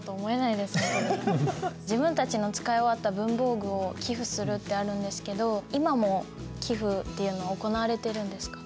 自分たちの使い終わった文房具を寄付するってあるんですけど今も寄付っていうのは行われているんですか？